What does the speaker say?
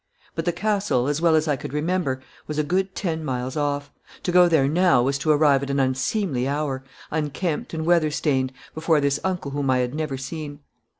But the castle, as well as I could remember, was a good ten miles off. To go there now was to arrive at an unseemly hour, unkempt and weather stained, before this uncle whom I had never seen.